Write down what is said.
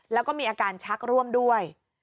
แล้วก็มีอาการชักร่วมด้วย